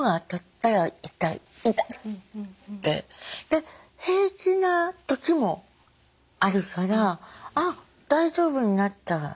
で平気なときもあるからあっ大丈夫になった